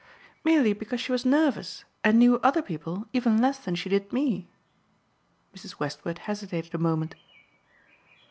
"Merely because she was nervous and knew other people even less than she did me." Mrs. Westward hesitated a moment.